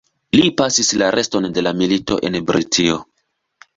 Li pasis la reston de la milito en Britio.